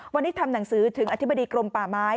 วันนี้ทำหนังสือถึงอธิบดีกรมป่าไม้